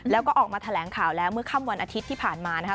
แล้วก็ออกมาแถลงข่าวแล้วเมื่อค่ำวันอาทิตย์ที่ผ่านมานะครับ